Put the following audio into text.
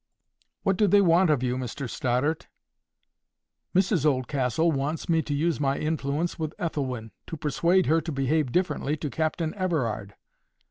"What do they want of you, Mr Stoddart?" "Mrs Oldcastle wants me to use my influence with Ethelwyn, to persuade her to behave differently to Captain Everard.